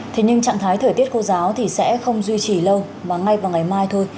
thế nhưng trạng thái thời tiết khô giáo thì sẽ không duy trì lâu mà ngay vào ngày mai thôi